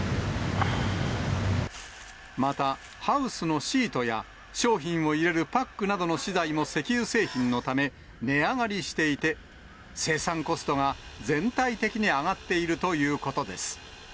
また、ハウスのシートや、商品を入れるパックなどの資材も石油製品のため、値上がりしていて、生産コストが全体的に上がっているということです。